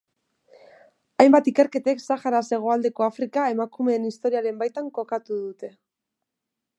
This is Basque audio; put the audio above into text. Hainbat ikerketek Saharaz hegoaldeko Afrika emakumeen historiaren baitan kokatu dute.